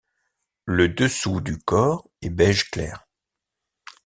Le dessous du corps est beige clair.